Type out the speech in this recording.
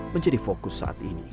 menjadi fokus saat ini